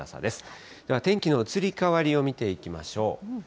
では、天気の移り変わりを見ていきましょう。